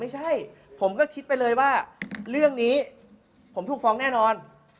ไม่ใช่ผมก็คิดไปเลยว่าเรื่องนี้ผมถูกฟ้องแน่นอน